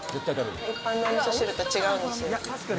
一般の味噌汁と違うんですよ。